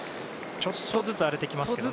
ちょっとずつ荒れてきていますね。